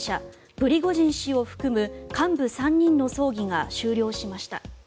プリゴジン氏を含む幹部３人の葬儀が終了しました。